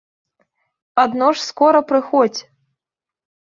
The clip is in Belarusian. Адно ж скора прыходзь.